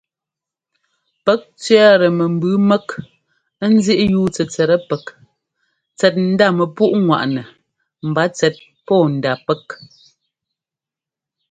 Pɛ́k tsẅɛ́ɛtɛ mɛmbʉʉ mɛ́k ńzíꞌyúu tsɛtsɛt pɛ́k tsɛt ndá mɛpúꞌŋwaꞌnɛ mba tsɛt pɔ́ɔndá pɛ́k.